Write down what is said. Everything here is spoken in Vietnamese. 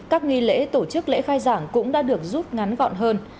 các nghi lễ tổ chức lễ khai giảng cũng đã được rút ngắn gọn hơn